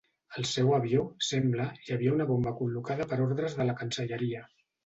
Al seu avió, sembla, hi havia una bomba col·locada per ordres de la Cancelleria.